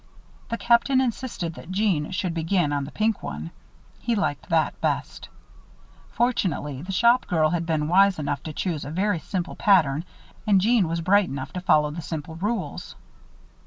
The Captain insisted that Jeanne should begin on the pink one. He liked that best. Fortunately the shop girl had been wise enough to choose a very simple pattern; and Jeanne was bright enough to follow the simple rules.